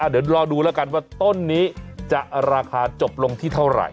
เดี๋ยวรอดูแล้วกันว่าต้นนี้จะราคาจบลงที่เท่าไหร่